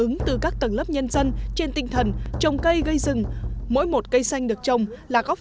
ứng từ các tầng lớp nhân dân trên tinh thần trồng cây gây rừng mỗi một cây xanh được trồng là góp